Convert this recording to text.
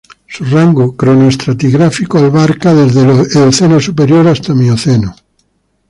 Su rango cronoestratigráfico abarca desde el Eoceno superior hasta el Mioceno.